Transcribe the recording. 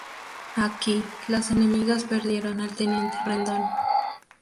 Aquí, los enemigos perdieron al teniente Rendón.